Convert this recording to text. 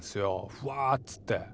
ふわっつって。